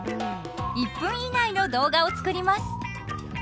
１分以内の動画を作ります。